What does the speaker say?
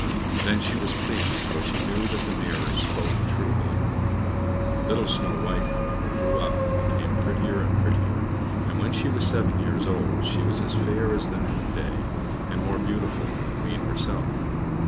Then she was pleased, for she knew that the mirror spoke truly. Little Snow White, however, grew up, and became prettier and prettier, and when she was seven years old she was as fair as the noonday, and more beautiful than the Queen herself.